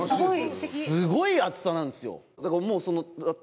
すごい厚さなんですよ。